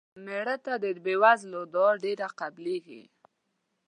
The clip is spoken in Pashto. مړه ته د بې وزلو دعا ډېره قبلیږي